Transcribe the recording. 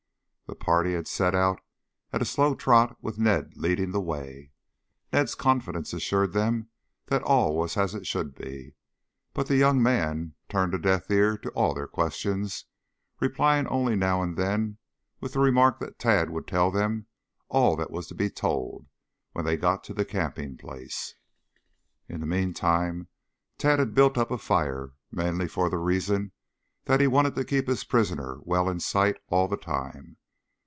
The party had set out at a slow trot with Ned leading the way. Ned's confidence assured them that all was as it should be, but the young man turned a deaf ear to all their questions, replying only now and then with the remark that Tad would tell them all that was to be told when they got to the camping place. In the meantime Tad had built up a fire, mainly for the reason that he wanted to keep his prisoner well in sight all the time.